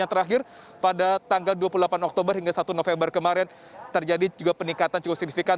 yang terakhir pada tanggal dua puluh delapan oktober hingga satu november kemarin terjadi juga peningkatan cukup signifikan